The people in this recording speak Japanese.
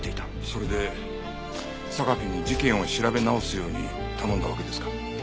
それで榊に事件を調べ直すように頼んだわけですか？